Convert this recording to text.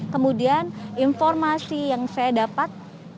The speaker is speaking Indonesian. kemudian informasi yang saya dapat